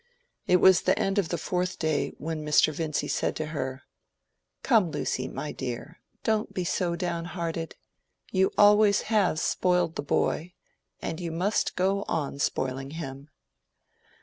It was the end of the fourth day when Mr. Vincy said to her— "Come, Lucy, my dear, don't be so down hearted. You always have spoiled the boy, and you must go on spoiling him."